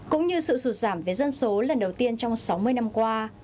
cũng như sự sụt giảm về dân số lần đầu tiên trong sáu mươi năm qua